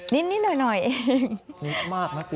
นิดหน่อยเอง